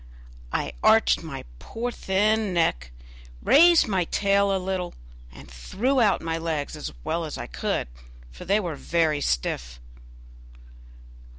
I arched my poor thin neck, raised my tail a little, and threw out my legs as well as I could, for they were very stiff.